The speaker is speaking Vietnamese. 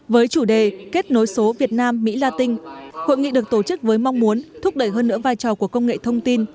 với chủ đề kết nối số việt nam mỹ la tinh hội nghị được tổ chức với mong muốn thúc đẩy hơn nữa vai trò của công nghệ thông tin